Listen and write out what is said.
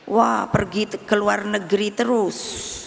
wah pergi ke luar negeri terus